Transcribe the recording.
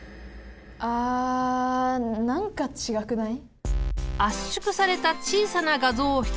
あ何か違くない？